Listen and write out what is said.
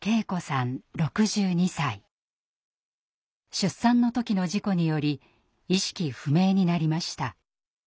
出産の時の事故により意識不明になりました。